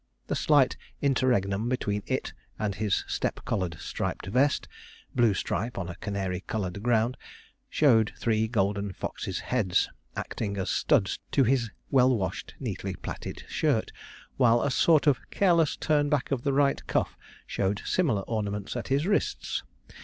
The slight interregnum between it and his step collared striped vest (blue stripe on a canary coloured ground) showed three golden foxes' heads, acting as studs to his well washed, neatly plaited shirt; while a sort of careless turn back of the right cuff showed similar ornaments at his wrists.